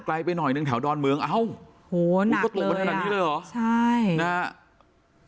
ไกลไปหน่อยนึงแถวดอนเมืองอ้าวตกมาแถวนี้เลยเหรอ